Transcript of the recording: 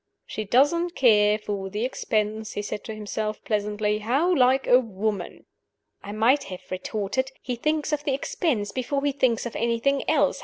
"She doesn't care for the expense," he said to himself, pleasantly. "How like a woman!" I might have retorted, "He thinks of the expense before he thinks of anything else.